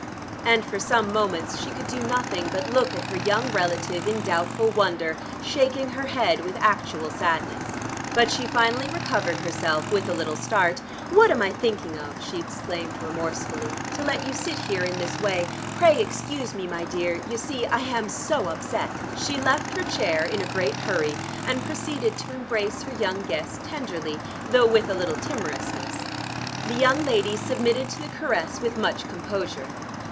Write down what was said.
And for some moments she could do nothing but look at her young relative in doubtful wonder, shaking her head with actual sadness. But she finally recovered herself, with a little start. "What am I thinking of," she exclaimed remorsefully, "to let you sit here in this way? Pray excuse me, my dear. You see I am so upset." She left her chair in a great hurry, and proceeded to embrace her young guest tenderly, though with a little timorousness. The young lady submitted to the caress with much composure.